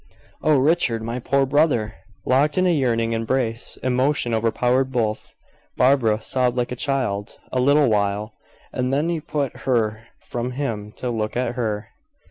"Oh, Richard! My poor brother!" Locked in a yearning embrace, emotion overpowered both. Barbara sobbed like a child. A little while, and then he put her from him, to look at her.